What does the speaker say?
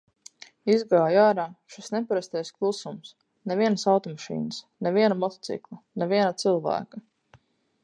Izgāju ārā, šis neparastais klusums, nevienas automašīnas, ne viena motocikla, ne viena cilvēka.